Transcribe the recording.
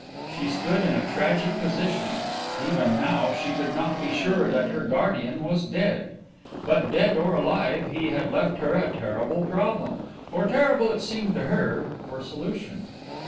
She stood in a tragic position; even now, she could not be sure that her guardian was dead. But dead or alive, he had left her a terrible problem, for terrible it seemed to her, for solution.